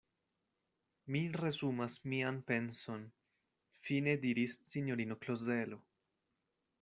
Mi resumas mian penson, fine diris sinjorino Klozelo.